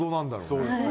そうですね。